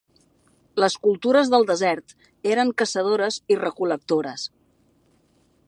Les cultures del desert eren caçadores i recol·lectores.